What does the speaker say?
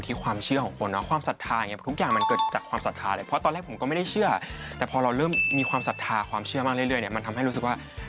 แต่พอเริ่มมีความศัพทาความเชื่อมากเรื่อยมันทำให้รู้สึกว่า